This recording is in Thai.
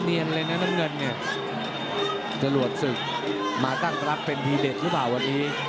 น้ำเงินจะรวดศึกมาตั้งรับเป็นพีเดชรึเปล่าวันนี้